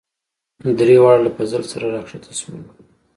دریواړه له فضل سره راکښته شولو.